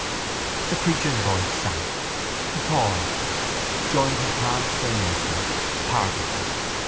The preacher's voice sank. He paused, joined his palms for an instant, parted them.